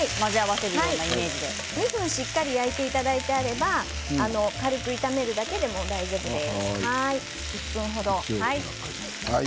しっかり焼いていただければ軽く炒めるだけで大丈夫です。